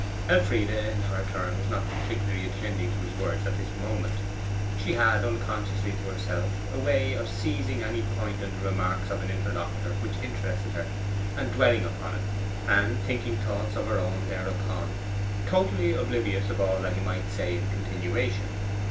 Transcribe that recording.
Elfride, in her turn, was not particularly attending to his words at this moment. She had, unconsciously to herself, a way of seizing any point in the remarks of an interlocutor which interested her, and dwelling upon it, and thinking thoughts of her own thereupon, totally oblivious of all that he might say in continuation.